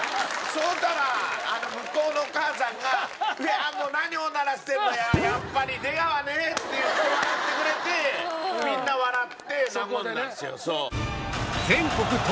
そしたら向こうのお母さんが「何おならしてんの！やっぱり出川ねえ！」って言って笑ってくれてみんな笑って和んだんですよ。